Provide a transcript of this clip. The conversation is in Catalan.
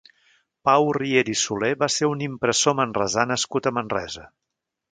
Pau Riera i Soler va ser un impressor manresà nascut a Manresa.